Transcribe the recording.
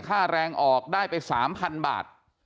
ค่าแรงออกได้ไป๓๐๐๐บาท